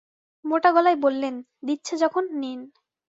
মোটা গলায় বললেন, দিচ্ছে যখন নিন।